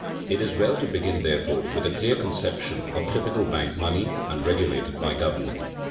It is well to begin, therefore, with a clear conception of typical bank money, unregulated by government.